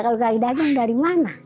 kalau menjaga dari mana